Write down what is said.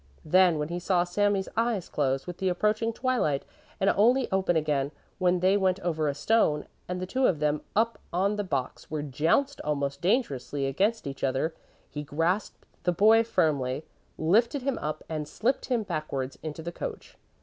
Then when he saw Sami's eyes close with the approaching twilight and only open again when they went over a stone, and the two of them up on the box were jounced almost dangerously against each other, he grasped the boy firmly, lifted him up and slipped him backwards into the coach.